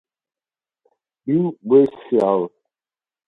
Ben Weasel